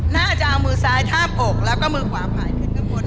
น่าจะเอามือซ้ายทาบอกแล้วก็มือขวาผ่ายขึ้นข้างบน